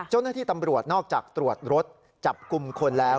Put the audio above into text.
เจ้าหน้าที่ตำรวจนอกจากตรวจรถจับกลุ่มคนแล้ว